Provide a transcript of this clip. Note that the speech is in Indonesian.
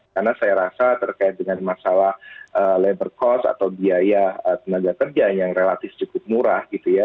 karena saya rasa terkait dengan masalah labor cost atau biaya tenaga kerja yang relatif cukup murah gitu ya